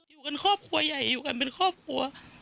อยู่กันครอบครัวใหญ่อยู่กันเป็นครอบครัว